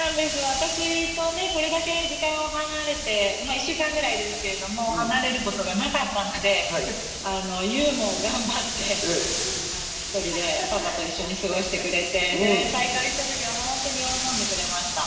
私とこれだけ時間が離れて１週間ぐらい離れることがなかったので悠も頑張って１人でパパと一緒に過ごしてくれて、再会した時は本当に喜んでくれました。